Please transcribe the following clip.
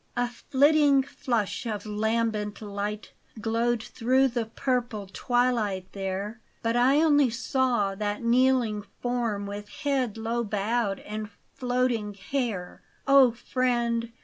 A flitting flush of lambent light Glowed through the purple twilight there ; But I only saw that kneeling form, With head low bowed and floating hair. O friend